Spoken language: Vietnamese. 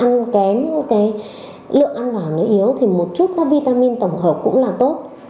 nó ăn kém cái lượng ăn vào nó yếu thì một chút các vitamin tổng hợp cũng là tốt